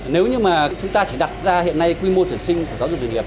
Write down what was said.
nếu như mà chúng ta chỉ đặt ra hiện nay quy mô tuyển sinh của giáo dục nghề nghiệp